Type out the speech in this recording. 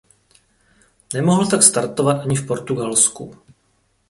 Nemohl tak startovat ani v Portugalsku.